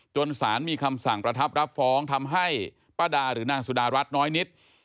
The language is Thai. สารมีคำสั่งประทับรับฟ้องทำให้ป้าดาหรือนางสุดารัฐน้อยนิด